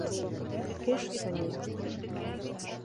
Хуш, Сания!